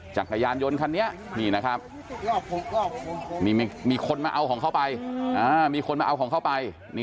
จักรยานยนต์คันนี้มีคนมาเอาของเข้าไป